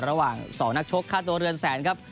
ระหว่าง๒นักชกค่าตัวเรือนแสนครับ